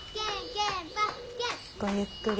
ごゆっくり。